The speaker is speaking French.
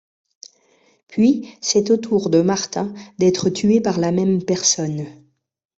Puis c'est au tour de Martin d'être tué par la même personne.